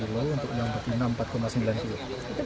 itu berat sekarang atau berat kelahiran